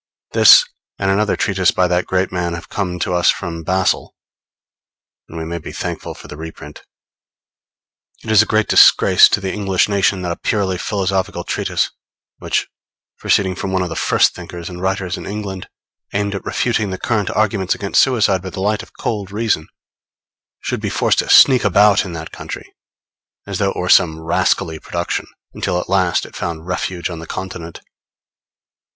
This and another treatise by that great man have come to us from Basle, and we may be thankful for the reprint. It is a great disgrace to the English nation that a purely philosophical treatise, which, proceeding from one of the first thinkers and writers in England, aimed at refuting the current arguments against suicide by the light of cold reason, should be forced to sneak about in that country, as though it were some rascally production, until at last it found refuge on the Continent.